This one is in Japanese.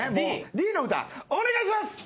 Ｄの歌お願いします。